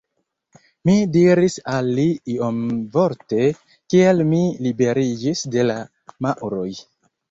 Mi diris al li iomvorte, kiel mi liberiĝis de la Maŭroj.